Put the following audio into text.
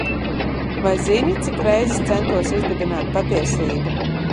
Vai zini, cik reizes, centos izdibināt patiesību?